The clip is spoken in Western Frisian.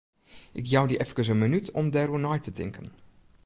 Ik jou dy efkes in minút om dêroer nei te tinken.